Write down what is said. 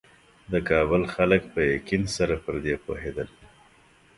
د کابل خلک په یقین سره پر دې پوهېدل.